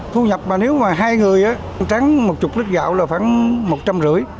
thu nhập mà nếu mà hai người tráng một chục lít gạo là khoảng một trăm năm mươi